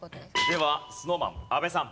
ではＳｎｏｗＭａｎ阿部さん。